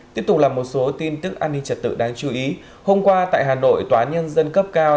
tiếp tục là một số tin tức an ninh trật tự đáng chú ý hôm qua tại hà nội tòa nhân dân cấp cao